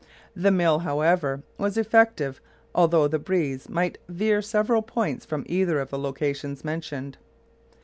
The mill, however, was effective although the breeze might veer several points from either of the locations mentioned.